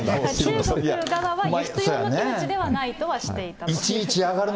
中国側は輸出用のキムチではないとはしていたと。